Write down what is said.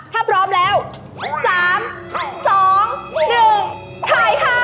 ถ้าพร้อมแล้ว๓๒๑ถ่ายค่ะ